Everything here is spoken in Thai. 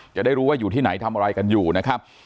จะได้รู้ว่าอยู่ที่ไหนทำอะไรกันอยู่นะครับ